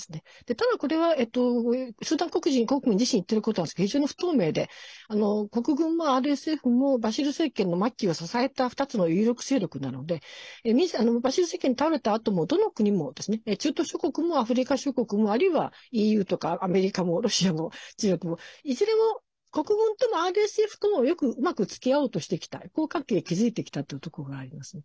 ただ、これはスーダン国民自身が言っていることが非常に不透明で国軍もＲＳＦもバシール政権の末期を支えた２つの有力勢力なのでバシール政権が倒れたあともどの国もですね中東諸国もアフリカ諸国もあるいはＥＵとかアメリカもロシアも中国もいずれも国軍ともＲＳＦともうまくつきあおうとしてきた友好関係を築いてきたというところもありますね。